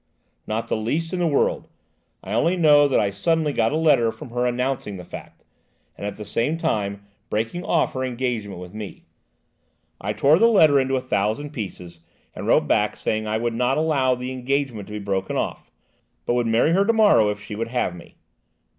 "Not the least in the world; I only know that I suddenly got a letter from her announcing the fact, and at the same time, breaking off her engagement with me. I tore the letter into a thousand pieces, and wrote back saying I would not allow the engagement to be broken off, but would marry her to morrow if she would have me.